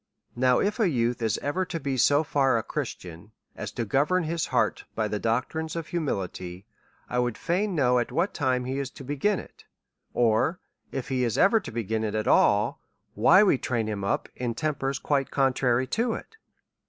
Now if a youth is ever to be so far a Christian as to govern his heart by the doctrines of humility, I would fain know at what time he is to begin it ; or if he is ever to begin it at all, why we train him up in tempers quite contrary to it?